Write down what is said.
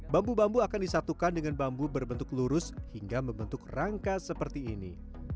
bambu bambu akan disatukan dengan bambu berbentuk lurus hingga membentuk rangka seperti ini